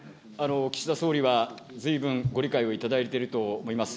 岸田総理は、ずいぶんご理解をいただいていると思います。